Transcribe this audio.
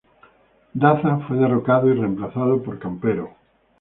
Daza fue derrocado y reemplazado por Campero.